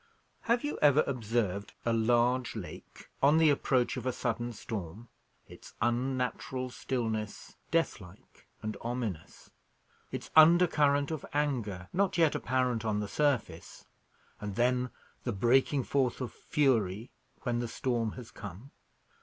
Have you ever observed a large lake on the approach of a sudden storm? its unnatural stillness, death like and ominous; its undercurrent of anger not yet apparent on the surface; and then the breaking forth of fury when the storm has come?